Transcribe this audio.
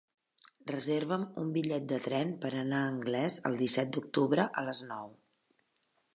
Reserva'm un bitllet de tren per anar a Anglès el disset d'octubre a les nou.